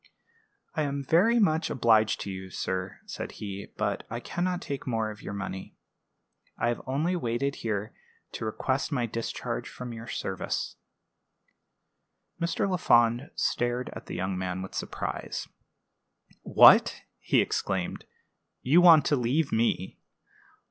"I am very much obliged to you, sir," said he; "but I can not take more of your money. I have only waited here to request my discharge from your service." Mr. Lafond stared at the young man with surprise. "What!" he exclaimed; "you want to leave me!